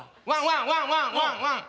ワンワンワンワン。